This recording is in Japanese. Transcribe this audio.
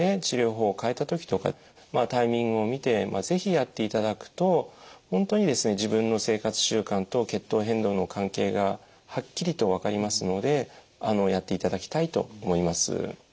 治療法を変えた時とかまあタイミングを見て是非やっていただくと本当にですね自分の生活習慣と血糖変動の関係がはっきりと分かりますのでやっていただきたいと思います。